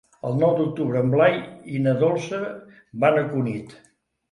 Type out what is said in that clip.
El nou d'octubre en Blai i na Dolça van a Cunit.